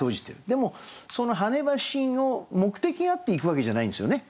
でもその跳ね橋の目的があって行くわけじゃないんですよね。